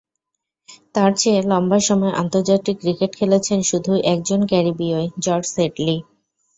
তাঁর চেয়ে লম্বা সময় আন্তর্জাতিক ক্রিকেট খেলেছেন শুধু একজন ক্যারিবীয়ই—জর্জ হেডলি।